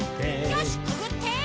よしくぐって！